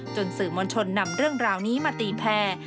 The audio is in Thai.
สื่อมวลชนนำเรื่องราวนี้มาตีแพร่